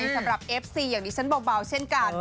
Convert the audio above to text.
สำหรับเอฟซีอย่างดิฉันเบาเช่นกัน